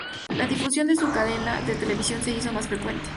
La difusión de su cadena de televisión se hizo más frecuente.